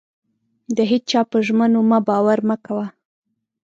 د هيچا په ژمنو مه باور مه کوئ.